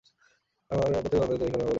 আপনার প্রত্যেক বান্দাই তো এই কলেমা বলে থাকে।